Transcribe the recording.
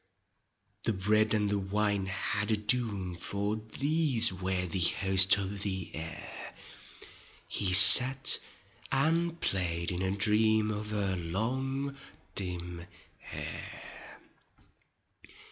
The bread and the wine had a doom. For these were the host of the air; He sat and played in a dream Of her long dim hair.